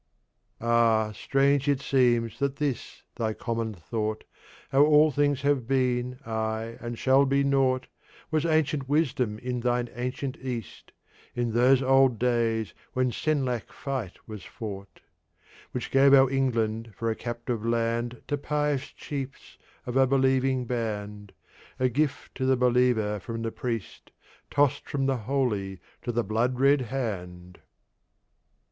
Ah, strange it seems that this thy common thought How all things have been, ay, and shall be nought Was ancient Wisdom in thine ancient East, In those old Days when Senlac fight was fought, Which gave our England for a captive Land To pious Chiefs of a believing Band, A gift to the Believer from the Priest, Tossed from the holy to the blood red Hand!